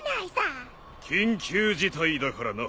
緊急事態だからな。